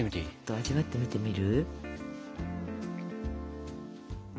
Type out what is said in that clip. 味わってみてみる？